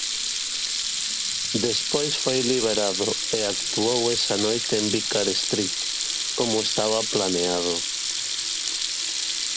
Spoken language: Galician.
Despois foi liberado e actuou esa noite en Vicar Street como estaba planeado.